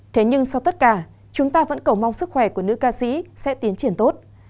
thế nhưng sau tất cả chúng ta vẫn cầu mong sức khỏe của nữ ca sĩ sẽ tiến triển tốt